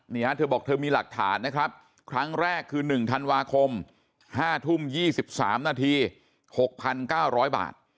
เธอบอกเธอมีหลักฐานนะครับครั้งแรกคือ๑ธันวาคม๕ทุ่ม๒๓นาที๖๙๐๐บาท